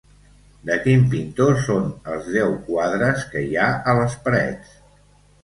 De quin pintor són els deu quadres que hi ha a les parets?